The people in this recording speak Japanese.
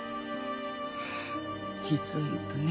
実を言うとね